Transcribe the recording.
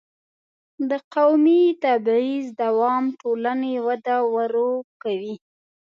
د قومي تبعیض دوام د ټولنې وده ورو کوي.